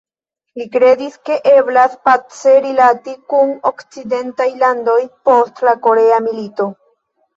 Li kredis ke eblas pace rilati kun okcidentaj landoj post la Korea milito.